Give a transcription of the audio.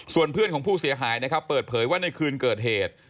ส่วนเพื่อนของผู้เสียหายนะครับเปิดเผยว่าในคืนเกิดเหตุ